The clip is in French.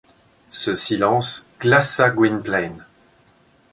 Ce silence glaça Gwynplaine.